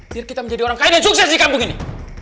biar kita menjadi orang kaya yang sukses di kampung ini